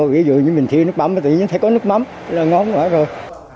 ví dụ như mình thiếu nước mắm tự nhiên thấy có nước mắm là ngon rồi